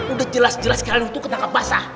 udah jelas jelas kalian tuh ketangkap basah